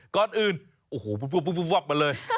ก่อนอื่นโอ้โหวับมาเลย